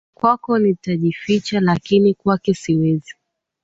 Kwako nitajificha lakini kwake siwezi.